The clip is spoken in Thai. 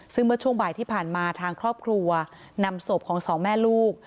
ซึ่งเมื่อช่วงบ่ายที่ผ่านมาทางครอบครัวนำศพของสองแม่ลูก